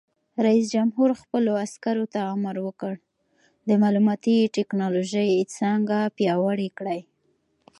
رئیس جمهور خپلو عسکرو ته امر وکړ؛ د معلوماتي تکنالوژۍ څانګه پیاوړې کړئ!